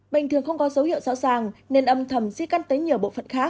bệnh thường không có dấu hiệu rõ ràng nên âm thầm di căng tới nhiều bộ phận khác